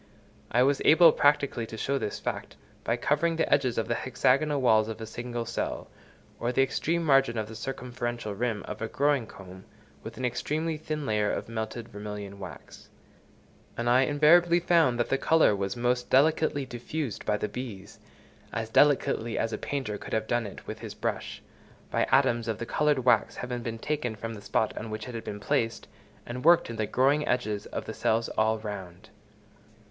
I was able practically to show this fact, by covering the edges of the hexagonal walls of a single cell, or the extreme margin of the circumferential rim of a growing comb, with an extremely thin layer of melted vermilion wax; and I invariably found that the colour was most delicately diffused by the bees—as delicately as a painter could have done it with his brush—by atoms of the coloured wax having been taken from the spot on which it had been placed, and worked into the growing edges of the cells all round.